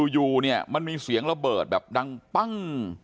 อยู่เนี่ยมันมีเสียงระเบิดแบบดังปั้ง